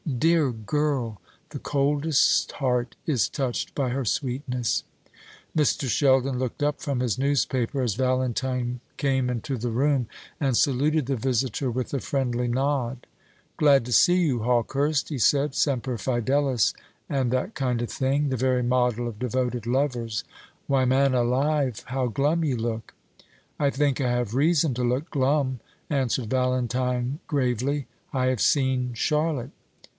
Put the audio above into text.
"Dear girl! The coldest heart is touched by her sweetness." Mr. Sheldon looked up from his newspaper as Valentine came into the room, and saluted the visitor with a friendly nod. "Glad to see you, Hawkehurst," he said. "Semper fidelis, and that kind of thing; the very model of devoted lovers. Why, man alive, how glum you look!" "I think I have reason to look glum," answered Valentine, gravely; "I have seen Charlotte."